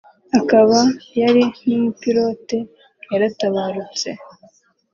akaba yari n’umupilote yaratabarutse